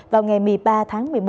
vào ngày một mươi ba tháng một mươi một